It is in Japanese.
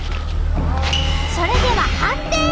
それでは判定！